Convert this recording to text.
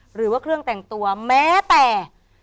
หรือว่าเครื่องแต่งตัวแม้แต่